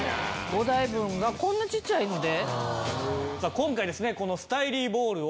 ５台分がこんなちっちゃいので？